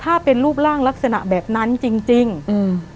ถ้าเป็นรูปร่างลักษณะแบบนั้นจริงจริงอืม